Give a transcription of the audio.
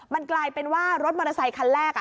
มันกลายเป็นว่ารถมอเตอร์ไซคันแรก